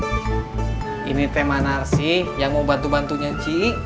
eng ini tema narsi yang mau bantu bantunya ci